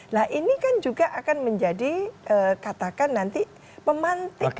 nah ini kan juga akan menjadi katakan nanti pemantik